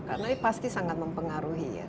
karena pasti sangat mempengaruhi ya